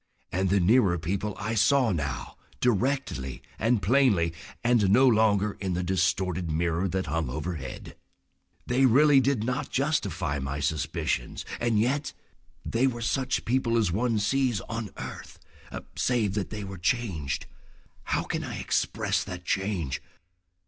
And the nearer people I saw now directly and plainly, and no longer in the distorted mirror that hung overhead. They really did not justify my suspicions, and yet—! They were such people as one sees on earth—save that they were changed. How can I express that change?